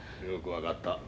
よく分かった。